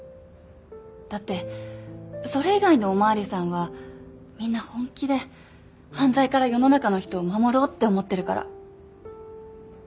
だってそれ以外のお巡りさんはみんな本気で犯罪から世の中の人を守ろうって思ってるから。